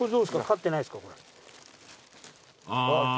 勝ってないですかこれ。